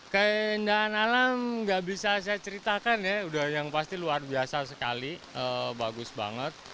keindahan alam nggak bisa saya ceritakan ya udah yang pasti luar biasa sekali bagus banget